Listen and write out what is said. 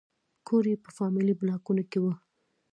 کور یې په فامیلي بلاکونو کې و.